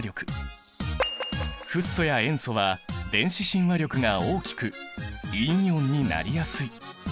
フッ素や塩素は電子親和力が大きく陰イオンになりやすい。